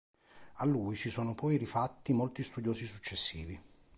A lui si sono poi rifatti molti studiosi successivi.